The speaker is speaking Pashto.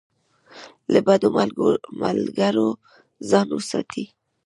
له بدو ملګرو ځان وساتئ.